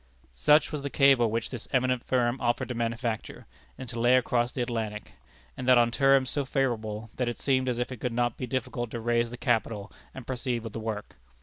Such was the cable which this eminent firm offered to manufacture, and to lay across the Atlantic, and that on terms so favorable, that it seemed as if it could not be difficult to raise the capital and proceed with the work.